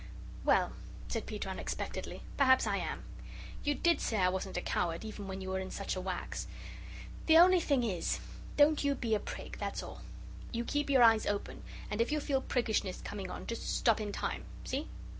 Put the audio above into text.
"Well," said Peter unexpectedly, "perhaps I am. You did say I wasn't a coward, even when you were in such a wax. The only thing is don't you be a prig, that's all. You keep your eyes open and if you feel priggishness coming on just stop in time. See?"